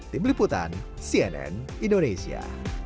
tim liputan cnn indonesia